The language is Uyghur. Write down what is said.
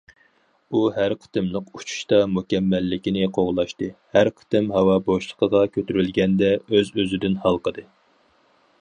ئۇ ھەر قېتىملىق ئۇچۇشتا مۇكەممەللىكنى قوغلاشتى، ھەر قېتىم ھاۋا بوشلۇقىغا كۆتۈرۈلگەندە ئۆز ئۆزىدىن ھالقىدى.